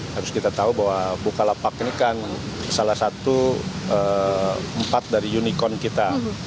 harus kita tahu bahwa bukalapak ini kan salah satu empat dari unicorn kita